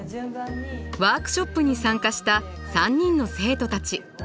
ワークショップに参加した３人の生徒たち。